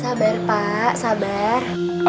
sabar pak sabar